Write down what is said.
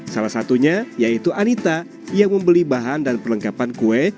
salah satunya yaitu anita yang membeli bahan dan perlengkapan kue